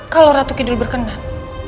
kalau ratu kidul berkenan